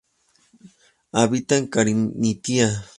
Habita en Carintia.